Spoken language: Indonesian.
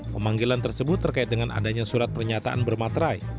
pemanggilan tersebut terkait dengan adanya surat pernyataan bermaterai